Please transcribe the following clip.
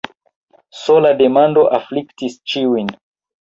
Sola demando afliktis ĉiujn.